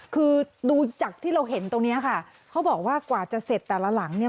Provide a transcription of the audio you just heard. คือดูจากที่เราเห็นตรงเนี้ยค่ะเขาบอกว่ากว่าจะเสร็จแต่ละหลังเนี่ย